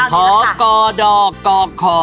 เพาะกอดอกกอคอ